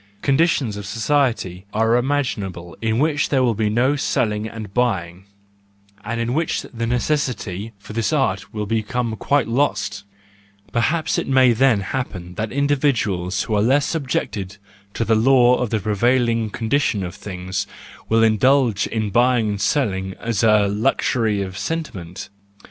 Condi¬ tions of society are imaginable in which there will be no selling and buying, and in which the necessity for this art will become quite lost; perhaps it may then happen that individuals who are less subjected to the law of the prevailing condition of things will indulge in buying and selling as a luxury of sentiment